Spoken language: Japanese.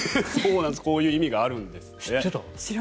こういう意味があるんですって。